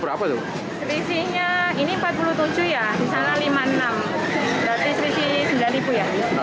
berarti selisih rp sembilan ya